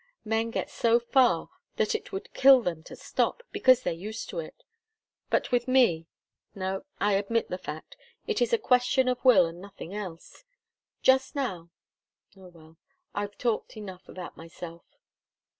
Men get so far that it would kill them to stop, because they're used to it. But with me no, I admit the fact it is a question of will and nothing else. Just now oh, well, I've talked enough about myself."